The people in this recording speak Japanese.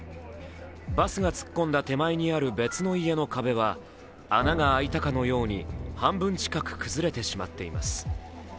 バスが突っ込んだ手前にある別の家の壁は穴が開いたかのように半分近く崩れてしまっています。